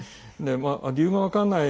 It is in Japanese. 理由が分からない。